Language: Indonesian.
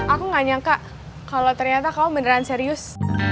aku nggak nyangka kalau ternyata kamu beneran serius